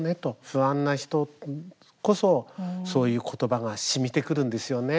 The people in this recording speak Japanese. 不安な人こそ、そういうことばがしみてくるんですよね。